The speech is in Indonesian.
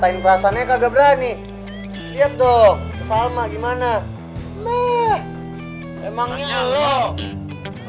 nah emangnya lo